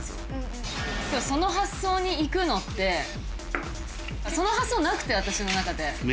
その発想にいくのってその発想なくて私の中で。